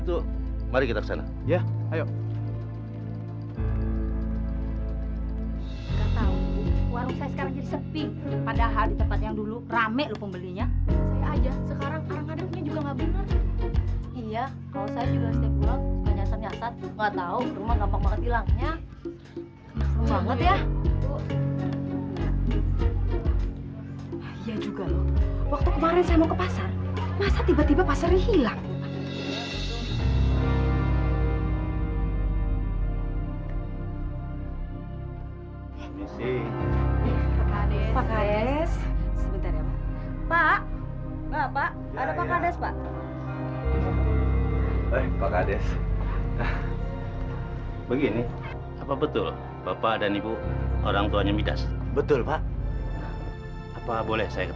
tidak pak ini pasti akan terpacahin